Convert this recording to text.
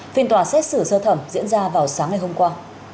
phiên tòa xét xử sơ thẩm diễn ra vào sáng ngày hôm qua